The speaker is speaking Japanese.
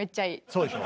そうでしょ。